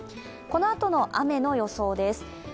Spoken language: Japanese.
このあとの雨の予想です。